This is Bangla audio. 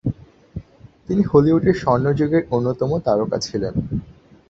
তিনি হলিউডের স্বর্ণযুগের অন্যতম তারকা ছিলেন।